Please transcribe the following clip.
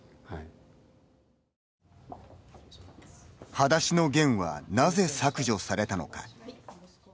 「はだしのゲン」はなぜ削除されたのか。